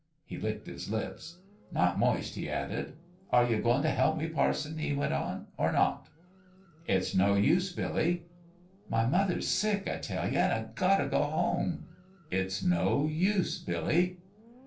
He licked his lips. "Not moist," he added. " Are you goin' t' help me, parson," he went on, "or not?" " It's no use, Billy." " My mother's sick, I tell ye, an' I got t' go home !"" It's no use, Billy."